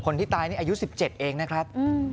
คนที่ตายนี่อายุ๑๗เองนะครับ